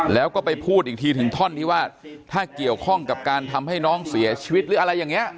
แล้วก็ไปพูดอีกทีถึงท่อนที่ว่าถ้าเกี่ยวข้องกับการทำให้น้องเสียชีวิตหรืออะไรอย่างนี้